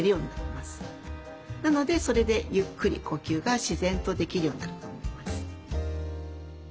なのでそれでゆっくり呼吸が自然とできるようになると思います。